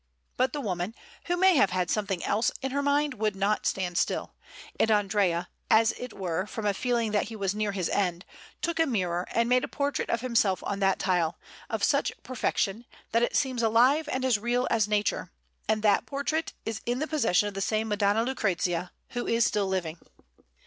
But the woman, who may have had something else in her mind, would not stand still; and Andrea, as it were from a feeling that he was near his end, took a mirror and made a portrait of himself on that tile, of such perfection, that it seems alive and as real as nature; and that portrait is in the possession of the same Madonna Lucrezia, who is still living.